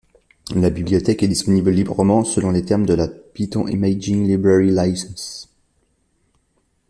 La bibliothèque est disponible librement selon les termes de la Python Imaging Library license.